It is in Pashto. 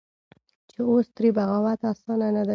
چې اوس ترې بغاوت اسانه نه دى.